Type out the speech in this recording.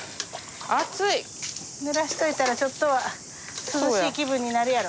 暑い！ぬらしといたらちょっとは涼しい気分になるやろ。